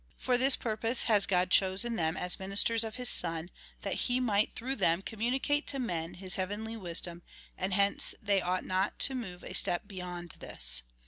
" For this purpose has God chosen them as ministers of his Son, that he might through them communicate to men his heavenly wisdom, and hence they ought not to move a step beyond this."